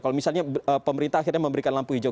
kalau misalnya pemerintah akhirnya memberikan lampu hijau